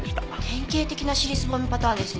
典型的な尻すぼみパターンですね。